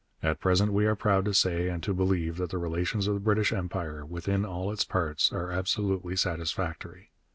At present we are proud to say and to believe that the relations of the British Empire, within all its parts, are absolutely satisfactory....